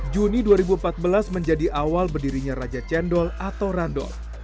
juni dua ribu empat belas menjadi awal berdirinya raja cendol atau randol